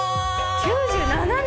９７年。